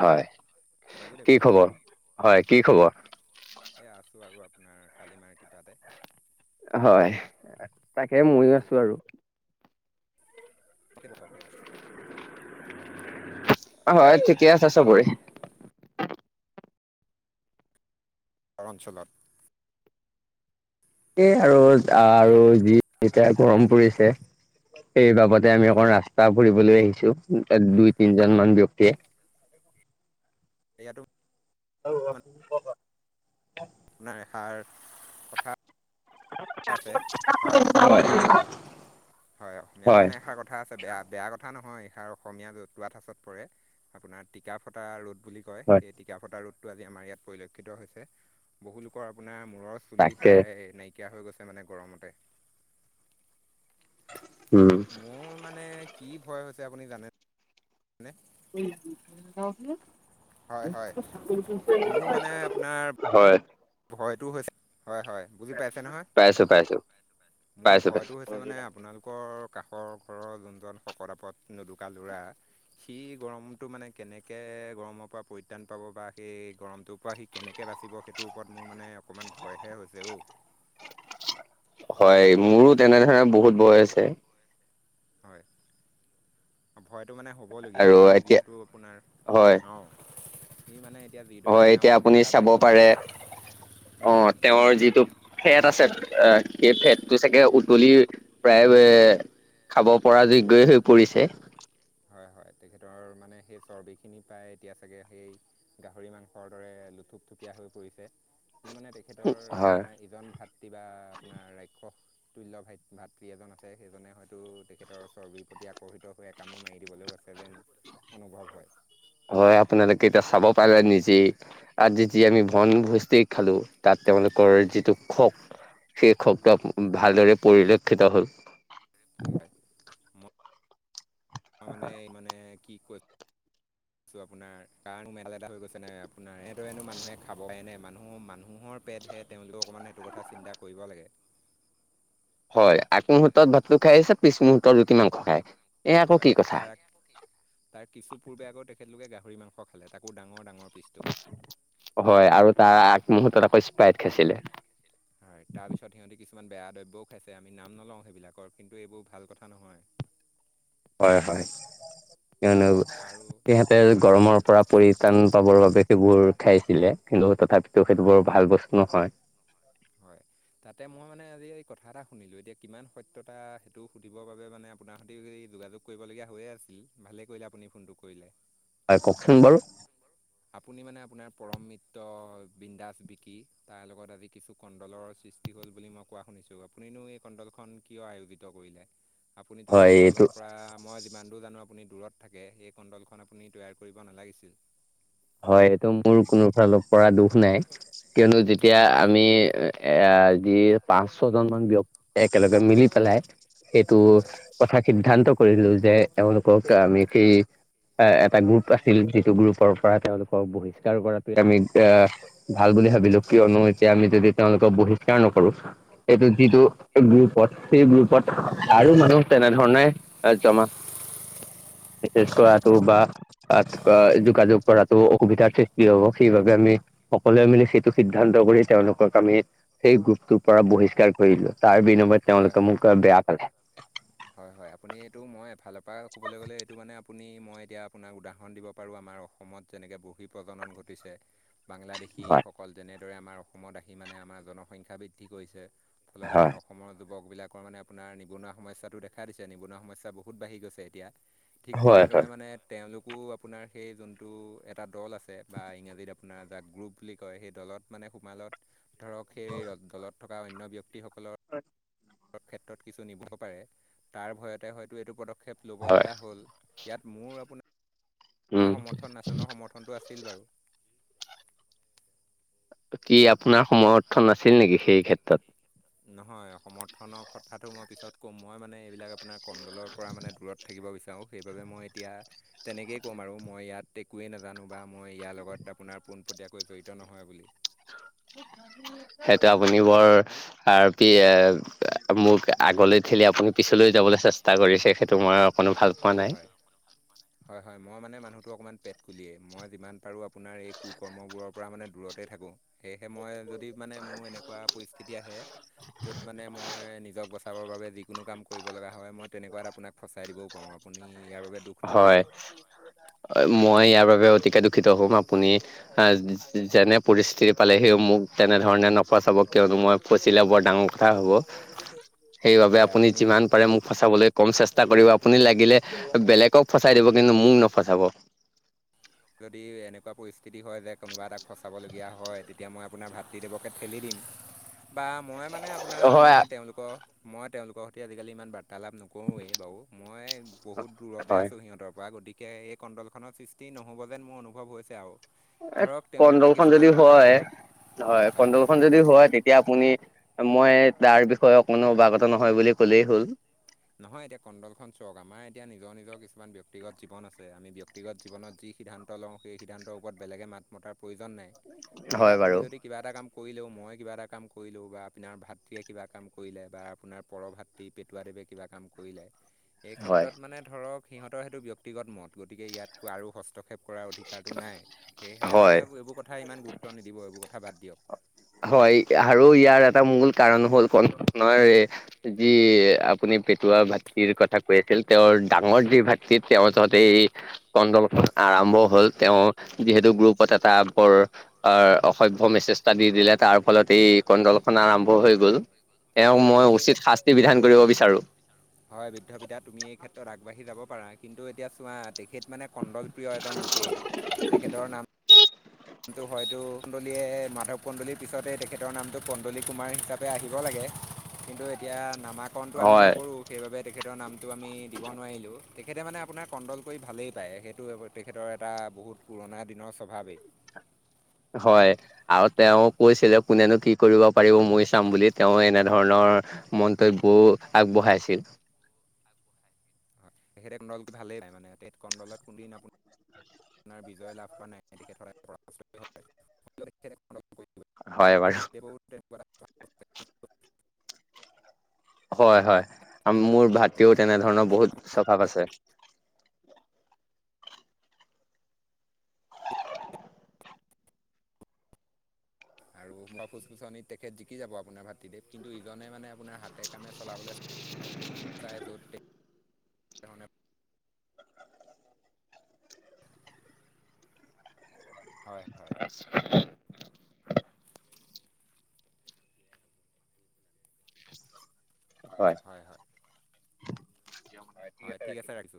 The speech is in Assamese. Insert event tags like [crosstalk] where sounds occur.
হয়। বলো দেবা, কি খবৰ, হয় কি খবৰ হয় কি খবৰ। এই আছোঁ আৰু আপোনাৰ কালি মাৰ কৃপাতে। হয়। তাকে ময়ো বাকী, আছো আৰু তাকে বোৰ খালে। হয়, ঠিকে আছে চবৰে। অঞ্চলত। সেই আৰু, আৰু যি এতিয়া গৰম পৰিছে। সেই বাবতে আমি অকণ ৰাস্তা ফুৰিবলৈ আহিছোঁ, দুই তিনিজন মান ব্যক্তিয়ে। এইয়াতো, হ'ক, আপোনাৰ এষাৰ কথা আছে, হয় হয় মমানে এষাৰ কথা কথা আছে, বেয়া বেয়া কথা নহয়, এইষাৰ অসমীয়া জতুৱা ঠাঁচত পৰে আপোনাৰ টিকা ফটা ৰ'দ বুলি ক কয়, হয় সেই টিকা ফটা ৰদটো আজি আমাৰ ইয়াত পৰিলক্ষিত হৈছে, বহুলোকৰ আপোনাৰ মূৰৰ চুলি তাকে প্ৰায় নাইকিয়া হৈ গৈছে মানে গৰমতে উম মোৰ মানে কি ভয় হৈছে আপুনি জানে কি কওকচোন। হয় হয়, মোৰ মানে হয় আপোনাৰ এইটো হৈছে, হয় হয় বুজি পাইছে নহয়, পাইছো পাইছো মোৰ পাইছো পাইছো ভয়টো হৈছে মানে আপোনালোকৰ কাষৰ ঘৰৰ যোনজন শকত আপত নোদুকা ল'ৰা সি গৰমটো মানে কেনেকে গৰমৰ পৰা পৰিত্ৰাণ পাব বা সেই গৰমটো পৰা সি কেনেকৈ বাচিব সেইটোৰ ওপৰত মোৰ মানে অকণমান ভয়হে হৈছে অ' হয়, মোৰো তেনেধৰণে বহুত ভয় হৈছে। হয়, ভয়টো মানে হ'বলগীয়া আৰু সি এতিয়া যিহেতু আপোনাৰ হয় অ', সি মানে এতিয়া যি হয় এতিয়া আপুনি চাব পাৰে, অ', তেওঁৰ যিটো ফেট আছে, আহ্ সেই ফেটটো চাগে উতলি প্ৰায় খাব পৰা যোগ্যই হৈ পৰিছে। হয় হয়, তেখেতৰ মানে সেই চৰ্বিখিনি প্ৰায় এতিয়া চাগে সেই গাহৰি মাংসৰ দৰে লুথুপথুপীয়া হৈ পৰিছে, মোৰ মানে তেখেতৰ হয় আপোনাৰ ইজন ভাত তৃ বা আপোনাৰ ৰাক্ষস তুল্য ভাত ভাতৃ এজন আছে, সেইজনে হয়তো তেখেতৰ চৰ্বিৰ প্ৰতি আকৰ্ষিত হৈ কামোৰ মাৰি দিবলৈও আছে যেন অনুভৱ হয়। হয়, আপোনালোকে এতিয়া চাব পাৰে নিজেই আজি জি আমি বন ভো্জ টি খালো তাত তেওঁলোকৰ যিটো খক্, সেই খকটো হয় ভালদৰে পৰিলক্ষিত হ'ল। পৰিৱেশ মই মানে এই মানে কি কৈছোঁ আপোনাৰ কাৰণ মেলা এা হৈ গৈছে ন আপোনাৰ এইদৰেনো মানুহে খাবনে মানুহৰ মানুহৰ পেটহে তেওঁলোকেও অকণমান সেইটো কথা চিন্তা কৰিব লাগে। হয়, আগ মুহূৰ্তত ভাতটো খাই আহিছে, পিছ মুহূৰ্তত ৰুটি মাংস খায় এ আকৌ কি হয়চ, কথা তাৰ তাৰ কিছু পূৰ্বে আকৌ তেখেতলোকে গাহৰি মাংস খালে, তাকো ডাঙৰ ডাঙৰ পিচটো হয় আৰু তাৰ আগমুহুৰ্তত আকৌ স্প্ৰাইট খাইছিলে। হয় তাৰপিছত সিহঁতি কিছুমান বেয়া দ্ৰব্যও খাইছে, আমি নাম নলওঁ সেইবিলাকৰ কিন্তু এইবোৰ ভাল কথা নহয়। হয় হয়, কিয়নো আৰু সিহঁতে গৰমৰ পৰা পৰিত্ৰাণ পাবৰ বাবে সেইবোৰ খাইছিলে, কিন্তু তথাপিতো টো সেইটো বৰ ভাল বস্তু নহয়। নহয়। হয়, তাতে মই মানে আজি এই কথা এটা শুনিলোঁ, এতিয়া কিমান সত্যতা সেইটো সুধিবৰ বাবে মানে আপোনাৰ সৈতে যোগাযোগ কৰিবলগীয়া হৈয়ে আছিলে, ভালেই কৰিলে আপুনি ফোনটো কৰিলে। হয় কওকচোন বাৰু? আপুনি মানে আপোনাৰ পৰম মিত্ৰ, বিন্দাস বিকি তাৰ লগত আজি কিছু কণ্ডলৰ সৃষ্টি হ'ল বুলি মই কোৱা শুনিছোঁ, আপুনিনো এই কণ্ডলখন কিয় আয়োজিত কৰিলে? আপুনিতো এই হয় এইটো কণ্ডলৰ পৰা মই যিমান দূৰ জানো আ আপুনি দূৰত থাকে, সেই কণ্ডলখন আপুনি তৈয়াৰ কৰিব নালাগিছিল। হয়, এইটো মোৰ কোনো ফালৰ পৰা দোষ নাই, কিয়নো যেতিয়া হয় আমি এ যি পাঁচ, ছয় জনমান ব্যক্তি একেলগে মিলি পেলাই সেইটো হয় কথা সিদ্ধান্ত কৰিলো যে এওঁলোকক আমি সেই এটা গ্ৰুপ আছিল, যিটো গ্ৰুপৰ পৰা তেওঁলোকক বহিষ্কাৰ কৰাটোৱে আমি এ ভাল বুলি ভাবিলো, কিয়নো এতিয়া আমি যদি তেওঁলোকক বহিষ্কাৰ নকৰো, এইটো হয় যিটো গ্ৰুপ হয় সেই গ্ৰুপত আৰু মানুহ তেনেধৰণে জমা বিশষকৈ ত' হয়। বা যোগাযোগ কৰাটো অসুবিধাৰ সৃষ্টি হ'ব, সেইবাবে আমি সকলোৱে মিলি সেইটো সিদ্ধান্ত কৰি তেওঁলোকক আমি সেই গ্ৰুপটোৰ পৰা বহিষ্কাৰ কৰিলো, তাৰ বিনিময়ত হয় তেওঁলোকে হয়। মোক বেয়া পালে। হয়, হয়, আপুনি এইটো মই ফালৰ পৰা ক'বলৈ গ'লে এইটো মানে আপুনি মই এতিয়া আপোনাক উদাহৰণ দিব পাৰোঁ, আমাৰ অসমত যেনেকৈ বহিঃ প্ৰজনন ঘটিছে হয় বাংলাদেশীসকল যেনেদৰে আমাৰ অসমত আহি মানে আমাৰ জনসংখ্যা বৃদ্ধি কৰিছে, ফলত আমাৰ হয় অসমৰ যুৱকবিলাকৰ মানে আপোনাৰ নিবনুৱা সমস্যাটো দেখা দিছে, নিবনুৱা সমস্যা বহুত বাঢ়ি গৈছে এতিয়া। ঠিক হয় হয় তেনেদৰে মানে তেওঁলোকো আপোনাৰ সেই যোনটো এটা দল আছে বা ইংৰাজীত আপোনাৰ যাক গ্ৰুপ বুলি কয় সেই দলত মানে সোমালত, ধৰক সেই দলত থকা অন্য ব্যক্তিসকলৰ হয়। ক্ষেত্ৰত কিছু নিব পাৰে, তাৰ ভয়তে হয়তো এইটো পদক্ষেপ ল'ব হয় লগা হ'ল। ইয়াত মোৰ আপোনাৰ উম সমৰ্থন নাছিল নহয়, সমৰ্থনটো আছিল বাৰু কি আপোনাৰ সমৰ্থন নাছিল নেকি সেই ক্ষেত্ৰত? নহয়, সমৰ্থনৰ কথাটো মই পিছত কম, মই মানে এইবিলাক আপোনাৰ কণ্ডলৰ পৰা মানে দূৰত থাকিব বিচাৰোঁ, সেইবাবে মই এতিয়া তেনেকেই ক'ম আৰু মই ইয়াত একোৱেই নাজানো বা মই ইয়াৰ লগত আপোনাৰ পোনপটীয়াকৈ জড়িত নহয় বুলি সেইটো আপুনি বৰ আৰু প এ মোক আগলৈ ঠিলি আপুনি পিছলৈ যাবলৈ চেষ্টা কৰিছে, সেইটো মই অকণো ভাল পোৱা অ' নাই। হয়। হয়, হয়, মই মানে মানুহটো অকণমান পেট কুলিয়েই, মই যিমান পাৰোঁ আপোনাৰ এই কুকৰ্মবোৰৰ পৰা মানে দূৰতেই থাকোঁ। সেয়েহে মই যদি মানে মোৰ এনেকুৱা পৰিস্থিতি আহে, য'ত মানে মই নিজক বচাবৰ বাবে যিকোনো কাম কৰ কৰিব লগা হয়, মই তেনেকুৱাত আপোনাক ফচাই দিবও পাৰোঁ, আপুনি ইয়াৰ বাবে দুখ নকৰিব। হয়, মই ইয়াৰ বাবে অতিকে দুখিত হ'ম আপুনি অ', যেনে পৰিস্থিতি পালে সি মোক তেনেধৰণে নফচাব, কিয়নো মই ফচিলে বৰ ডাঙৰ কথা হ'ব। হ হ [unintelligible] সেইবাবে আপুনি যিমান পাৰে মোক ফচাবলৈ কম চেষ্টা কৰিব, আপুনি লাগিলে বেলেগ ক ফচাই দিব, কিন্তু মোক নফচাব। যদি এনেকুৱা পৰিস্থিতি হয় যে কোনোবা এটাক ফচাব লগ হয় তেতিয়া মই আপোনাৰ ভাতৃদেৱকে ঠেলি দিম বা মই মানে আপোনাৰ ম হয় মই তেওঁলোকৰ সৈতে আজিকালি ইমান বাৰ্তা তালাপ নকৰোঁৱেই বাৰু, মই বহুত দূৰতে হয় আছোঁ সিহঁতৰ পৰা, গতিক গতিকে এই কণ্ডলখনৰ সৃষ্টি নহ'ব যেন মোৰ অনুভৱ হৈছে, আৰু এ, ধৰক তেওঁলোকে কণ্ডল খন যদি কিছুমান হয়, হয়, কণ্ডল খন যদি হয় তেতিয়া এতিয়া আপুনি মই তাৰ বিষয়ে কোনো অৱাগত নহয় বুলি ক'লেই হ'ল। নহয়, এতিয়া কণ্ডলখন চাওঁক, আমাৰ এতিয়া নিজৰ নিজৰ কিছুমান ব্যক্তিগত জীৱন আছে, আমি ব্যক্ত ব্যক্তিগত জীৱনত যি সিদ্ধান্ত লওঁ, সেই সিদ্ধান্তৰ ওপৰত বেলেগে মাত মতাৰ প্ৰয়োজন নাই। গতিকে হয় আপুনি বাৰু যদি কিবা এটা কাম কৰিলেও মই কিবা এটা কাম কৰিলেও বা আপোনাৰ ভাতৃয়ে কিবা কাম কৰিলে বা আপোনাৰ পৰভাতি পেটুৱাদেৱে কিবা কাম কৰিলে, এই হয়। ক্ষেত্ৰত মানে ধৰক সিহঁতৰ সেইটো ব্যক্তিগত মত, গতিকে ইয়াতকৈ আৰু হস্তক্ষেপ কৰাৰ অধিকাৰটো নাই সেয়েহে হয় মানে এইবোৰ কথা ইমান গুৰুত্ব নিদিব এইবোৰ কথা বাদ দিয়ক। হয় আৰু ইয়াৰ এটা মূল কাৰণ হ'ল যি আপুনি পেটুৱা ভাটিৰ কথা কৈ আছে। আছিল তেওঁৰ ডাঙৰ যি ভাতৃ তেওঁৰ যহতে এই কণ্ডলখন আৰম্ভ হ'ল। তেওঁ হয় যিহেতু গ্ৰুপত এটা বৰ অ' অসভ্য মেছেজ এটা দি দিলে। তাৰ ফলত এই কণ্ডলখন আৰম্ভ হৈ গ'ল এক হয় মই তেখেত উচিত শাস্তি বিধান কৰিব বিচাৰো। হয় বৃদ্ধ পিতা তুমি এই ক্ষেত্ৰত আগবাঢ়ি যাব পাৰা। কিন্তু এতিয়া চোৱা তেখেত মানে কণ্ডলপ্ৰিয় এজন লোকেই তেখেতৰ নাম কিন্তু হয়তো কুডলীয়ে মাধৱ কুণ্ডলীৰ পিছতে তেখেতৰ নামটো কণ্ডলী কুমাৰ হিচাপে আহিব লাগে। কিন্তু এতিয়া নামাকৰণটো আমি হয় নকৰোঁ। সেইবাবে তেখেতৰ নামটো আমি দিব নোৱাৰিলোঁ তেখেতে মানে আপোনাৰ কণ্ডল কৰি ভালেই পায় সেইটো তেখেতৰ এটা বহুত পুৰণা দিনৰ স্বভাৱেই। হয়। আৰু তেওঁ কৈছিলে কোনেনো কি কৰিব পাৰিব মই চাম বুলি তেওঁ এনেধৰণৰ মন্তব্যও আগবঢ়াই আছিল। হয় তেখেতে কডলটো ভালেই পায় মানে কণ্ডলত কোনদিন আপুনি বিজয় লাভ কৰা নাই তেখেত সদায় হয় বাৰু [unintelligible] [inaudible] হয়, হয় আৰু মোৰ ভাতৃও তেনেধৰণৰ বহুত স্বভাৱ আছে। আৰু ফুচফুচননিত তেখেত জিকি যাব আপোনাৰ ভাতৃদেৱ। কিন্তু ইজনে মানে আপোনাৰ হাতে কামে চলাবলৈ চাই য'ত হয়, হয়। [inaudible] হয়। হয়, হয়। হয়, ঠিক আছে ৰাখিছে।